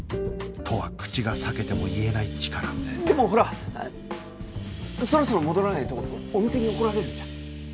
とは口が裂けても言えないチカラでもほらそろそろ戻らないとお店に怒られるんじゃ？